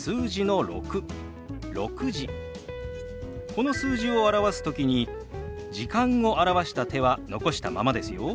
この数字を表す時に「時間」を表した手は残したままですよ。